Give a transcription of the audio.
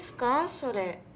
それ。